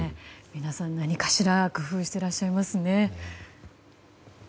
皆さん何かしら工夫していらっしゃいますね。